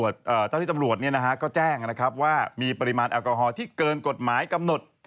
เจ้าหน้าที่ตำรวจก็แจ้งนะครับว่ามีปริมาณแอลกอฮอล์ที่เกินกฎหมายกำหนด